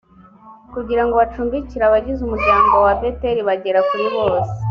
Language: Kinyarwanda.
kugira ngo bacumbikire abagize umuryango wa beteli bagera kuri bose